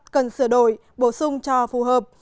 cần sửa đổi bổ sung cho phù hợp